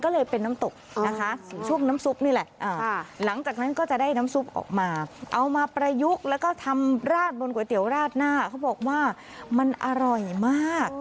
ราดบนก๋วยเตี๋ยวราดหน้าเขาบอกว่ามันอร่อยมาก